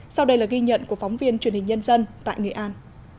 sau đây là ghi nhận của phóng viên truyền hình nhân dân tại nghệ an